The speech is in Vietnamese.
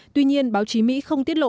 tuy nhiên báo chí mỹ không tiết lộ